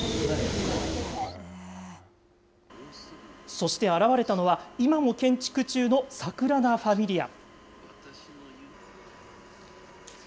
そして現れたのは、今も建築中のサグラダ・ファミリア。